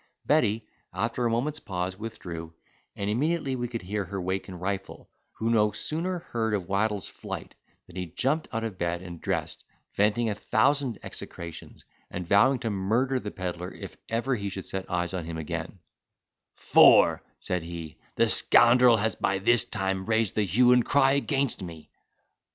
Betty, after a moment's pause withdrew, and immediately we could hear her waken Rifle, who no sooner heard of Waddle's flight than he jumped out of bed and dressed, venting a thousand execrations, and vowing to murder the pedlar if ever he should set eyes on him again: "For," said he "the scoundrel has by this time raised the hue and cry against me."